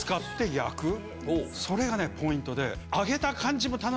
それがポイントで。